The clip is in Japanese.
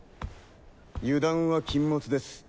油断は禁物です。